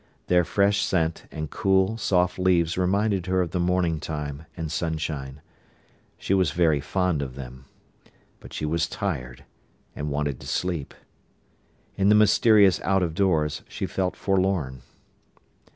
Their fresh scent and cool, soft leaves reminded her of the morning time and sunshine. She was very fond of them. But she was tired, and wanted to sleep. In the mysterious out of doors she felt forlorn.